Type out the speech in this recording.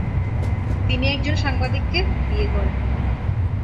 তিনি একজন সাংবাদিককে বিয়ে করেন।